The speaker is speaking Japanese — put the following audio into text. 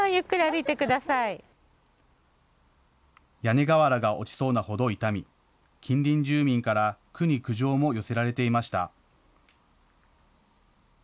屋根瓦が落ちそうなほど傷み近隣住民から区に苦情も寄せられていました。